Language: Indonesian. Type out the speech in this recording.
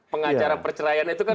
pengacara perceraian itu kan